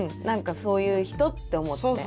何かそういう人って思って。